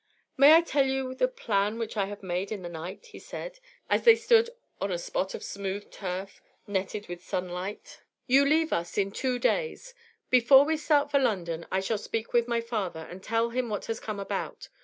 'May I tell you the plan which I have made in the night?' he said, as they stood on a spot of smooth turf, netted with sunlight. 'You leave us in two days. Before we start for London, I shall speak with my father, and tell him what has come about.